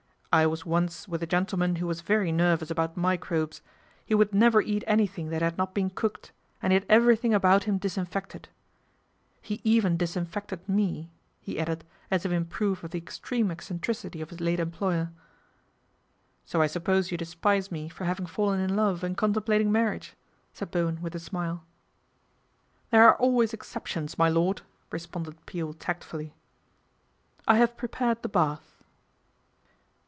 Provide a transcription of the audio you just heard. I was once with a gentleman who was very nervous about microbes. He would never eat anything that had not been cooked, and he had everything about him dis infected. He even disinfected me," he added as if in proof of the extreme eccentricity of his late employer. " So I suppose you despise me for having fallen in love and contemplating marriage," said Bo wen with a smile. ' There are always exceptions, my lord," re sponded Peel tactfully. " I have prepared the bath."